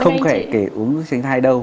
không phải kể uống thuốc tránh thai đâu